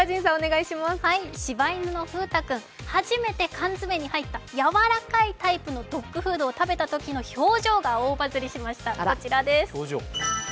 しば犬のふう太君、初めて缶詰に入った、やわらかいタイプのドッグフードを食べたときの表情が大バズりしました、こちらです。